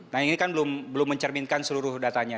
nah ini kan belum mencerminkan seluruh datanya